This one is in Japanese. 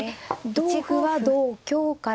同歩は同香から。